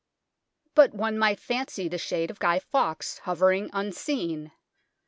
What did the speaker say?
But one might fancy the shade of Guy Fawkes hovering unseen.